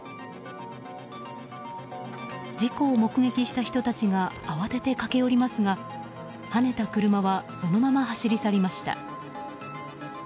事故を目撃した人たちが慌てて駆け寄りますがはねた車はそのまま走り去りました。